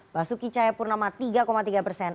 basuki cahayapurnama tiga tiga persen